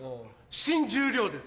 新十両です。